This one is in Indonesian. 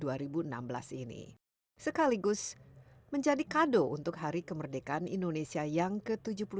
olimpiade dua ribu enam belas ini sekaligus menjadi kado untuk hari kemerdekaan indonesia yang ke tujuh puluh satu